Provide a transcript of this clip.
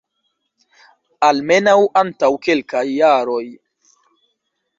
Almenaŭ antaŭ kelkaj jaroj!